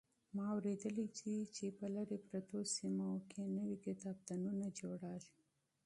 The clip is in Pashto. ما اورېدلي دي چې په لرې پرتو سیمو کې نوي کتابتونونه جوړېږي.